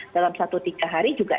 dalam satu tiga hari juga